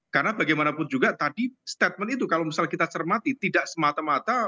karena bagaimanapun juga tadi statement itu kalau misalnya kita cermati tidak semata mata